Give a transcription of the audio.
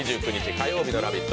火曜日の「ラヴィット！」